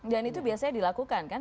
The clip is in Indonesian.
dan itu biasanya dilakukan kan